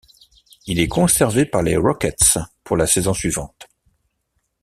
Il est conservé par les Rockets pour la saison suivante.